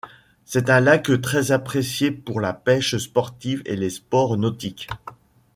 C'est un lac très apprécié pour la pêche sportive et les sports nautiques.